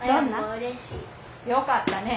よかったね。